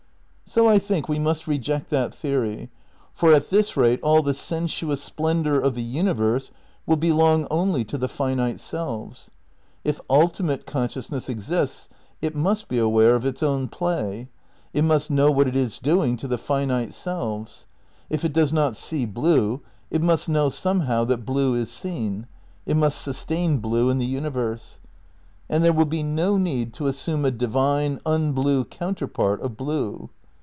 So I think we must reject that theory; for at this rate all the sensuous splendour of the universe will belong only to the finite selves. If ultimate consciousness ex ists, it must be aware of its own play; it must know what it is doing to the finite selves ; if it does not see blue, it must know somehow that blue is seen. It must sustain blue in the imiverse. And there will be no need to assume a divine, unblue counterpart of blue.